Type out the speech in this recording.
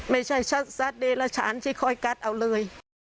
ไม่ใช่ชัดเดรฉานที่คอยกัดเอาเลย